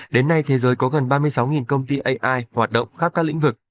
đến nay thế giới có gần ba mươi sáu công ty ai hoạt động